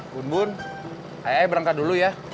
bun bun ayo berangkat dulu ya